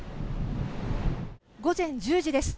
午前１０時です。